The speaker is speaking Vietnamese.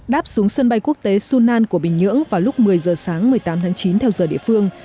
đáp xuống sân bay quốc tế sunan của bình nhưỡng vào lúc một mươi giờ sáng một mươi tám tháng chín theo giờ địa phương